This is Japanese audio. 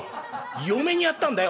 嫁にやったんだよ」。